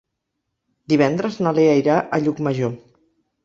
Divendres na Lea irà a Llucmajor.